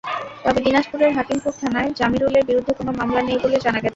তবে দিনাজপুরের হাকিমপুর থানায় জামিরুলের বিরুদ্ধে কোনো মামলা নেই বলে জানা গেছে।